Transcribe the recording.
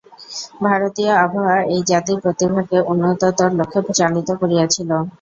ভারতীয় আবহাওয়া এই জাতির প্রতিভাকে উন্নততর লক্ষ্যে চালিত করিয়াছিল।